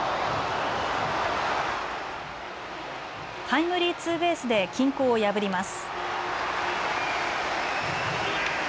タイムリーツーベースで均衡を破ります。